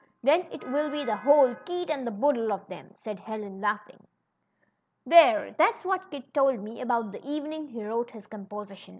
Then it will be the whole ^ Kit and boodle ' of them," said Helen, laughing. There ! that's what Kit told me about the evening he wrote his composition.